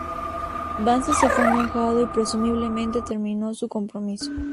Vance se fue enojado y presumiblemente terminó su compromiso.